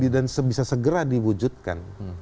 dan bisa segera diwujudkan